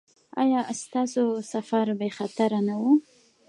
ایا ستاسو سفر بې خطره نه و؟